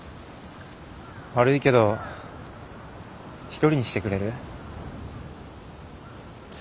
悪いけど一人にしてくれる？